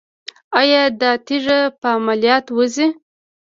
ایا دا تیږه په عملیات وځي؟